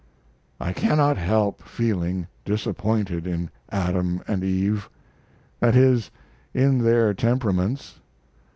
I cannot help feeling disappointed in Adam and Eve. That is, in their temperaments.